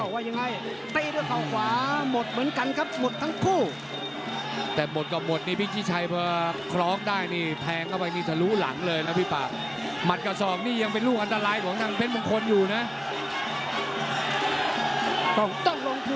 อยู่นะต้องต้องลงทิ้งแล้วตอนนี้เอาไว้ยังไง